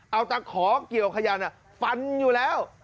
เอาตะขอเกี่ยวขยันฟันอยู่แล้ว